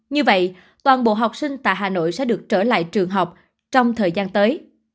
như vậy toàn bộ học sinh tại hà nội sẽ được trở lại trường học trong thời gian tới